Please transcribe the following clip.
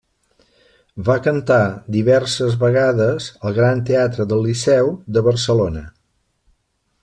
Va cantar diverses vegades al Gran Teatre del Liceu de Barcelona.